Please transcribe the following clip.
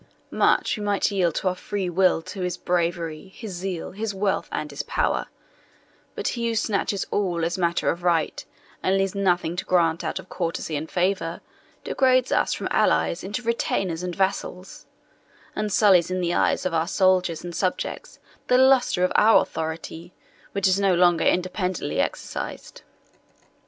Much we might yield of our free will to his bravery, his zeal, his wealth, and his power; but he who snatches all as matter of right, and leaves nothing to grant out of courtesy and favour, degrades us from allies into retainers and vassals, and sullies in the eyes of our soldiers and subjects the lustre of our authority, which is no longer independently exercised.